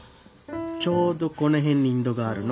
ちょうどこの辺にインドがあるの。